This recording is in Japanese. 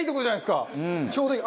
ちょうどいい。